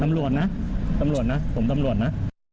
ตำรวจนะตำรวจนะผมตำรวจนะ